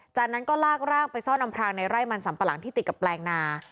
จากนั้นก็ลากร่างไปซ่อนอำพรางในไร่มันสัมปะหลังที่ติดกับแปลงนา